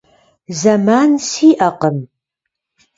Zeman si'ekhım.